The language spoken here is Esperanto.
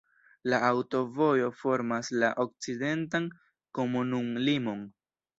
La aŭtovojo formas la okcidentan komunumlimon.